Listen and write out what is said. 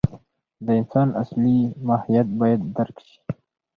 د انسان اصلي ماهیت باید درک شي.